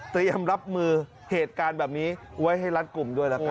เตรียมรับมือเหตุการณ์แบบนี้ไว้ให้รัดกลุ่มด้วยละกัน